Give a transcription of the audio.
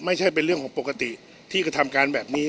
ไม่ใช่เป็นเรื่องของปกติที่กระทำการแบบนี้